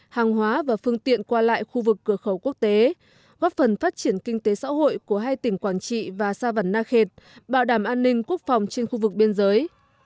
hàng hóa và phương tiện qua lại khu vực cửa khẩu quốc tế góp phần phát triển kinh tế xã hội của hai tỉnh quảng trị và sa văn na khệt bảo đảm an ninh quốc phòng trên khu vực biên giới